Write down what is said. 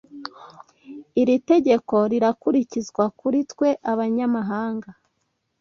Iri tegeko rirakurikizwa kuri twe abanyamahanga?